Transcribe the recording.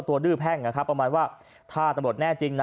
ก็ตัวดื้อแพ่งเหมือนว่าถ้าตำรวจแน่จริงนะ